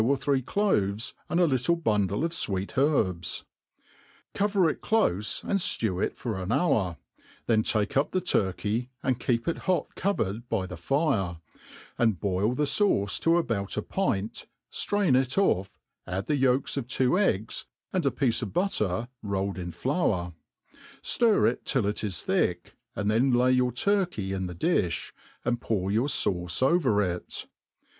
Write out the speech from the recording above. or three cloves^ and a little bundle of fwett herbs ; cover it clofe, and ftew it for an hour, then take up the turkey, and keep it hot covered by the fire, and boil the fauce to about a pint, ftrain it off, add the yolks of two eggs, and a piece of butter rolled in ^flour J ftir it till it is thick, and then lay your turkey in the di(b, and pour your fauce over it.